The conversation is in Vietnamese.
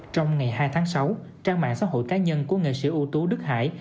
trong ngày hai tháng sáu trang mạng xã hội cá nhân của nghệ sĩ ưu tú đức hải